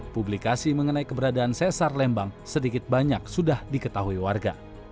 publikasi mengenai keberadaan sesar lembang sedikit banyak sudah diketahui warga